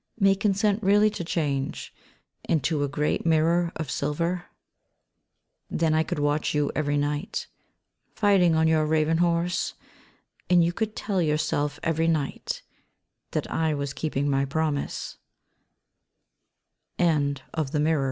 May consent really to change Into a great mirror of silver. Then I could watch you every night Fighting on your raven horse j And you could tell yourself every night That I was keeping my pr